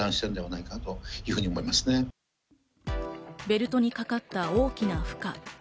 ベルトにかかった大きな負荷。